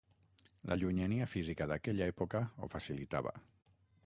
La llunyania física d'aquella època ho facilitava.